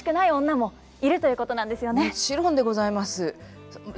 もちろんでございます。